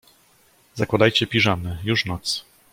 Zakładajcie piżamy, już noc.